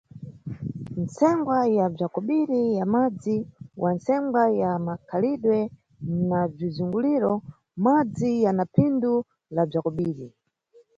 Ntsengwa ya bza kobiri ya madzi wa ntsengwa ya makhalidwe na bzizunguliro, madzi yana phindu la bza kobiri.